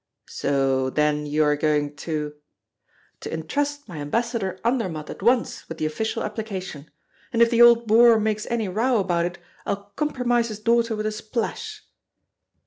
'" "So then you are going to " "To intrust my ambassador Andermatt at once with the official application. And if the old boor makes any row about it, I'll compromise his daughter with a splash."